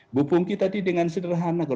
mbak pungki tadi dengan sederhana